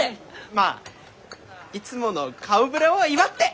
まあいつもの顔ぶれを祝って！